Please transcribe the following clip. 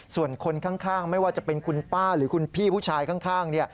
ส่วนคนข้างไม่ว่าจะเป็นคุณป้าหรือคุณพี่ผู้ชายข้าง